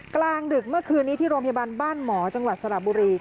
กลางดึกเมื่อคืนนี้ที่โรงพยาบาลบ้านหมอจังหวัดสระบุรี